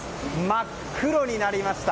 真っ黒になりました。